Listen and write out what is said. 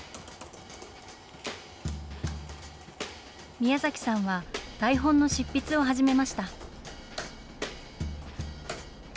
宮崎さんは、台本の執筆を始めました。